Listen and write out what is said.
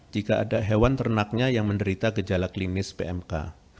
jika ada hewan ternaknya yang menderita gejala klinis pmk